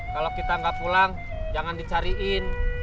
kalau kita nggak pulang jangan dicariin